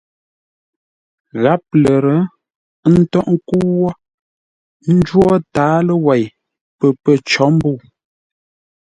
Gháp lər, ə́ ntó ńkə́u wó ńjwó tǎaló wêi pə̌ pə̂ cǒ mbə̂u.